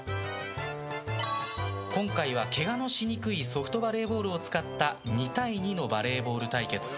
今回は、けがのしにくいソフトバレーボールを使った２対２のバレーボール対決。